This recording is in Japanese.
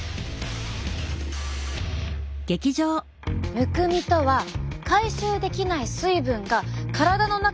むくみとは回収できない水分が体の中にたまってしまった状態。